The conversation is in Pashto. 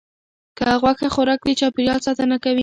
کم غوښه خوراک د چاپیریال ساتنه کوي.